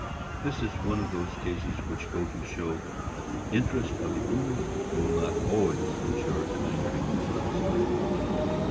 This is one of those cases which go to show that the interest of the owner will not always insure kind treatment of the slave.